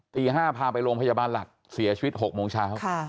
ตี๕พาไปโรงพยาบาลหลักเสียชีวิต๖โมงเช้า